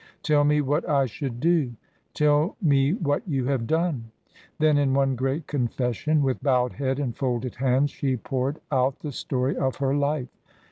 "Tell me what I should do " "Tell me what you have done." Then in one great confession, with bowed head and folded hands, she poured out the story of her life.